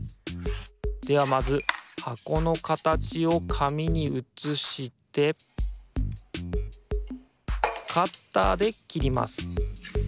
ではまずはこのかたちをかみにうつしてカッターできります。